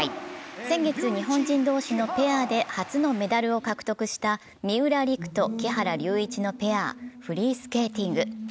先月、日本人同士のペアで初のメダルを獲得した三浦璃来と木原龍一のペア、フリースケーティング。